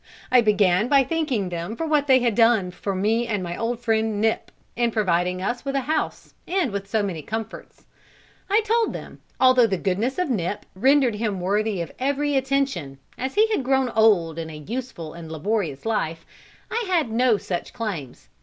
I began by thanking them for what they had done for me and my old friend Nip, in providing us with a house and with so many comforts. I told them, although the goodness of Nip rendered him worthy of every attention, as he had grown old in a useful and laborious life, I had no such claims.